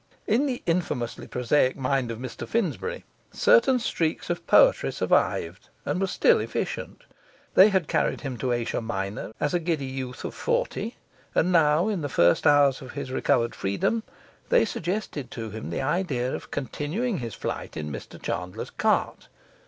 In the infamously prosaic mind of Mr Finsbury, certain streaks of poetry survived and were still efficient; they had carried him to Asia Minor as a giddy youth of forty, and now, in the first hours of his recovered freedom, they suggested to him the idea of continuing his flight in Mr Chandler's cart.